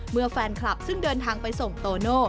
เมื่อแฟนคลับซึ่งเดินทางไปส่งโตโน่